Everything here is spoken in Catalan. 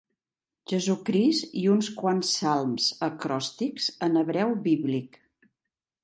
Jesucrist i uns quants salms acròstics en hebreu bíblic.